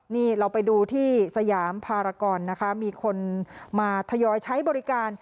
นี่เราไปดูที่สยามภารกรนะคะมีคนมาทยอยใช้บริการ